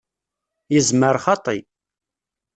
Yezmer xaṭi.